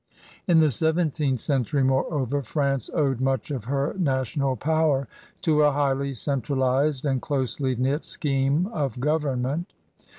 In the seventeenth century, moreover, France owed much of her national power to a highly cen tralized and closely knit scheme of government.